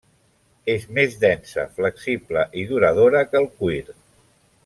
És més densa, flexible i duradora que el cuir.